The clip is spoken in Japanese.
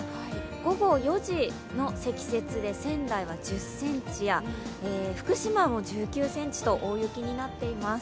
午後４時の積雪で仙台は１０ｃｍや、福島も１９ｃｍと大雪になっています。